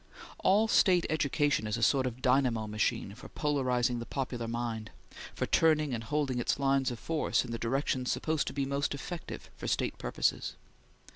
All State education is a sort of dynamo machine for polarizing the popular mind; for turning and holding its lines of force in the direction supposed to be most effective for State purposes.